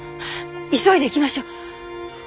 急いで行きましょう。